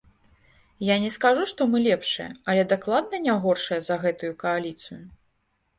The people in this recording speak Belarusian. Я не скажу, што мы лепшыя, але дакладна не горшыя за гэтую кааліцыю.